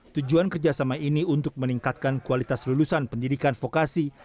tujuan kerjasama ini untuk meningkatkan kualitas lulusan pendidikan vokasi